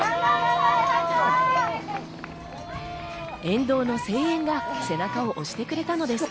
沿道の声援が背中を押してくれたのです。